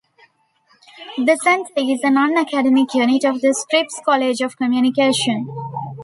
The Center is a non-academic unit of the Scripps College of Communication.